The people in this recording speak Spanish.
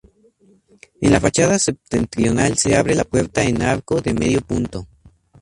En la fachada septentrional se abre la puerta en arco de medio punto.